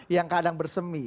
yang kadang bersemi